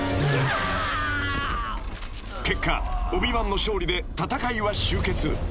［結果オビ＝ワンの勝利で戦いは終結］